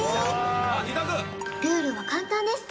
ルールは簡単です